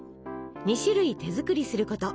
２種類手作りすること。